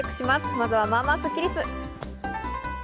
まずは、まあまあスッキりす。